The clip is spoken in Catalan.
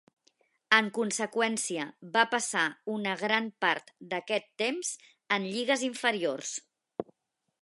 En conseqüència, va passar una gran part d'aquest temps en lligues inferiors.